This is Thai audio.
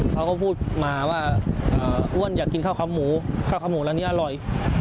เขาก็พูดมาว่าอ้วนอยากกินข้าวขาหมูข้าวขาหมูร้านนี้อร่อย